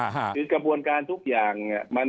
หรือกระบวนการทุกอย่าง